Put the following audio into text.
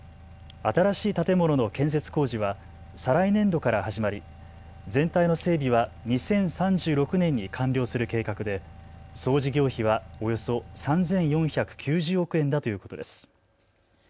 新しい建物の建設工事は再来年度から始まり全体の整備は２０３６年に完了する計画で総事業費はおよそ３４９０億円だということです。